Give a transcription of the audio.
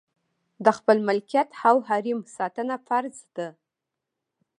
د خپل ملکیت او حریم ساتنه فرض ده.